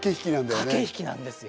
駆け引きなんですよ。